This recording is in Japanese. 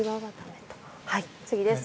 次です。